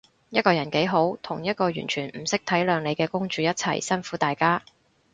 一個人幾好，同一個完全唔識體諒你嘅公主一齊，辛苦大家